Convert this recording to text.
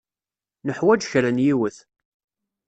Nuḥwaǧ kra n yiwet.